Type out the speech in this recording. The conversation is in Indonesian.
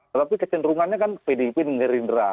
tetapi kecenderungannya kan pdip mengerindera